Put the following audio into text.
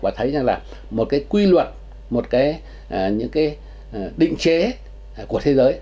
và thấy rằng là một cái quy luật một cái những cái định chế của thế giới